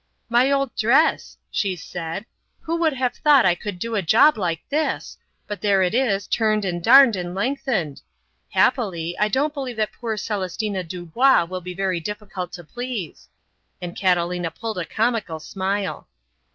"My old dress," she said. "Who would have thought I could do a job like this! But there it is turned and darned and lengthened. Happily, I don't believe that poor Celestina Dubois will be very difficult to please" and Catalina pulled a comical smile.